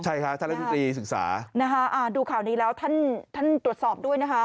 ชิ้นกระท่าดูข่าวละอีกแล้วท่านตรวจสอบด้วยนะคะ